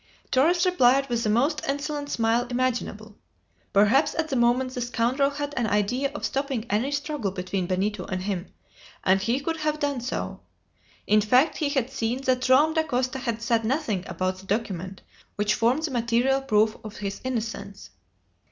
Torres replied with the most insolent smile imaginable. Perhaps at the moment the scoundrel had an idea of stopping any struggle between Benito and him, and he could have done so. In fact he had seen that Joam Dacosta had said nothing about the document which formed the material proof of his innocence.